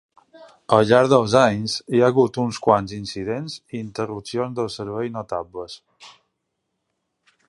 Al llarg dels anys, hi ha hagut uns quants incidents i interrupcions del servei notables.